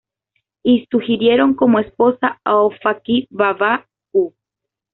Y sugirieron como esposa a Ofa-ki-Vava´u.